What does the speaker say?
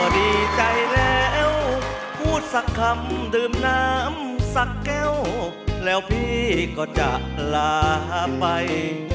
ดีใจแล้วพูดสักคำดื่มน้ำสักแก้วแล้วพี่ก็จะลาไป